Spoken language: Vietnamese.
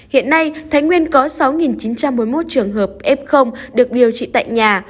hiện nay thái nguyên có sáu chín trăm bốn mươi một trường hợp f được điều trị tại nhà